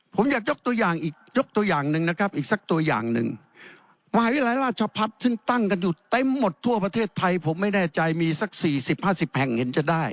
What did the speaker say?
ผมอยากยกตัวอย่างอีกยกตัวอย่างหนึ่งนะครับอีกสักตัวอย่างหนึ่งมหาวิทยาลัยราชพัฒน์ซึ่งตั้งกันอยู่เต็มหมดทั่วประเทศไทยผมไม่แน่ใจมีสักสี่สิบห้าสิบแห่งเห็นจะได้